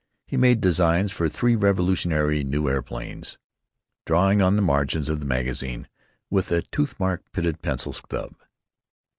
He made designs for three revolutionary new aeroplanes, drawing on the margins of the magazine with a tooth mark pitted pencil stub.